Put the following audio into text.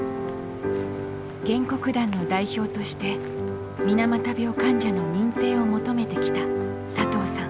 原告団の代表として水俣病患者の認定を求めてきた佐藤さん。